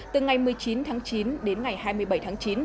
từ ngày một mươi chín tháng chín đến ngày hai mươi bảy tháng chín